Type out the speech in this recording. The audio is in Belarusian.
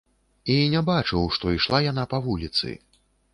І не бачыў, што ішла яна па вуліцы.